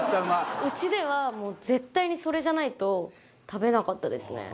うちではもう絶対にそれじゃないと食べなかったですね。